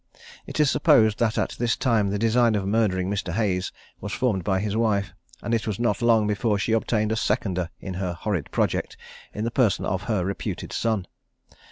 It is supposed that at this time the design of murdering Mr. Hayes was formed by his wife, and it was not long before she obtained a seconder in her horrid project in the person of her reputed son.